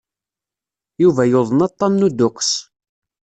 Yuba yuḍen aṭṭan n uduqqes.